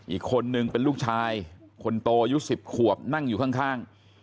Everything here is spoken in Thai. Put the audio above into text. อีกคนนึงเป็นลูกชายคนโตอายุ๑๐ขวบนั่งอยู่ข้าง